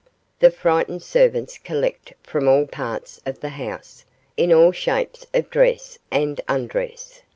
The frightened servants collect from all parts of the house, in all shapes of dress and undress.